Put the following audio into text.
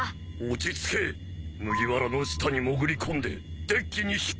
落ち着け麦わらの下に潜り込んでデッキに引っ掛けろ。